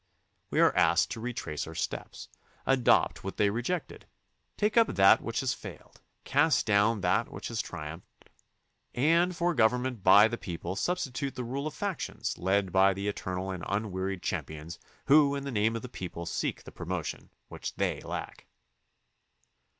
We are asked to retrace our steps, adopt what they rejected, take up that which has failed, cast down that which has tri umphed, and for government by the people substitute the rule of factions led by the eternal and unwearied champions who in the name of the people seek the pro motion which they lack.